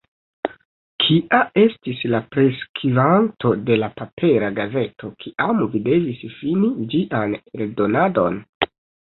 Kia estis la preskvanto de la papera gazeto, kiam vi devis fini ĝian eldonadon?